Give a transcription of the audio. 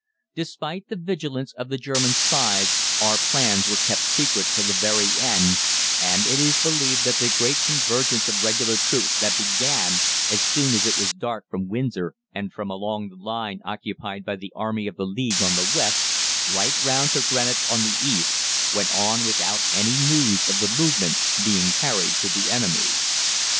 "Despite the vigilance of the German spies our plans were kept secret till the very end, and it is believed that the great convergence of Regular troops that began as soon as it was dark from Windsor and from along the line occupied by the Army of the League on the west, right round to Greenwich on the east, went on without any news of the movement being carried to the enemy.